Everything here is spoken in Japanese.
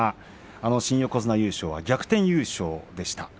新横綱優勝は逆転優勝でした。